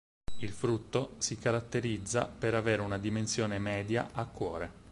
Il frutto si caratterizza per avere una dimensione media, a cuore.